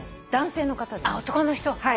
男の人。